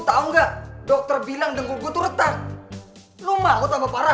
tahu enggak dokter bilang dengkul gue tuh retak lu mau tambah parah